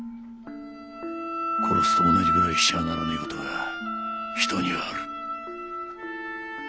殺すと同じぐらいしちゃならねえ事が人にはある。